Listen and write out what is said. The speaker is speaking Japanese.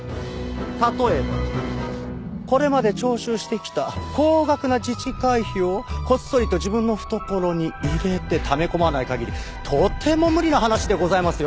例えばこれまで徴収してきた高額な自治会費をこっそりと自分の懐に入れてため込まない限りとても無理な話でございますよ。